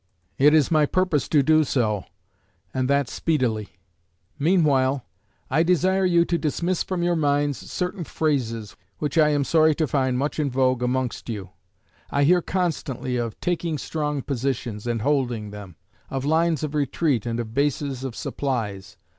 It is my purpose to do so, and that speedily.... Meanwhile, I desire you to dismiss from your minds certain phrases, which I am sorry to find much in vogue amongst you. I hear constantly of taking strong positions and holding them of lines of retreat and of bases of supplies.